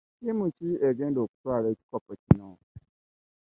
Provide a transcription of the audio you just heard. Ttiimu ki egenda okutwaala ekikopo kino?